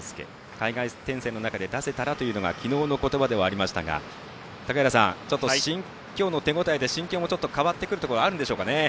海外転戦の中で出せたらという言葉がありましたが高平さん、今日の手応えで心境が変わってくるところもあるんですかね。